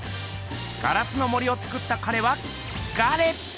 「『ガラスの森』をつくった彼はガレ」。